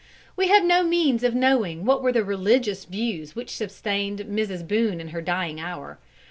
We have no means of knowing what were the religious views which sustained Mrs. Boone in her dying hour.